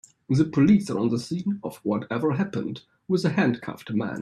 The police are on the scene of what ever happened, with a handcuffed man.